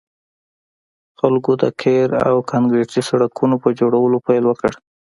خلکو د قیر او کانکریټي سړکونو په جوړولو پیل وکړ